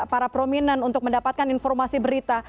para prominent untuk mendapatkan informasi berita